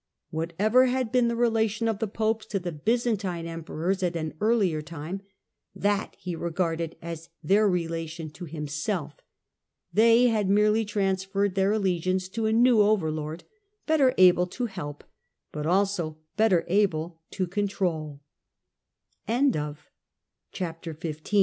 Whatever had been the relation of the Popes to the Byzantine emperors at an earlier time, that he regarded as their relation to himself. They had merely transferred their allegiance to a new overlord, better able to help, but